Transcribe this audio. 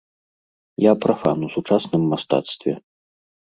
Я прафан у сучасным мастацтве.